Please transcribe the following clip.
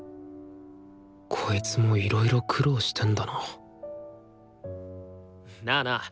こいつもいろいろ苦労してんだななあなあ！